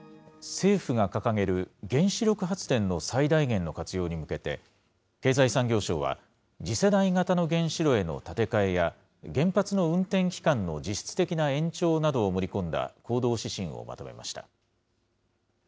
政府が掲げる、原子力発電の最大限の活用に向けて、経済産業省は、次世代型の原子炉への建て替えや、原発の運転期間の実質的な延長などを盛り込んだ行動指針をまとめました。